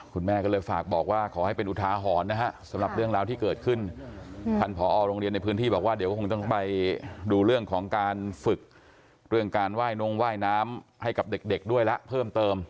คุณแม่ก็เลยฝากบอกว่าขอให้เป็นอุทาหรณ์นะฮะสำหรับเรื่องราวที่เกิดขึ้นท่านผอโรงเรียนในพื้นที่บอกว่าเดี๋ยวก็คงต้องไปดูเรื่องของการฝึกเรื่องการไหว้นงว่ายน้ำให้กับเด็กด้วยละเพิ่มเติม